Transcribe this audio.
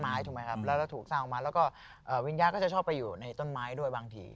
แล้วถูกสร้างออกมาแล้วก็วิญญาณก็จะชอบไปอยู่ในต้นไม้ด้วยบางที